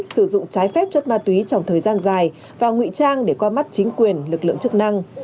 sử dụng trái phép chất ma túy trong thời gian dài và ngụy trang để qua mắt chính quyền lực lượng chức năng